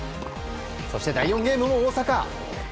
そして第４ゲームも大坂。